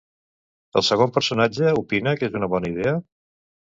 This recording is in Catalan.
El segon personatge opina que és una bona idea?